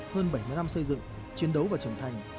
hơn bảy mươi năm xây dựng chiến đấu và trưởng thành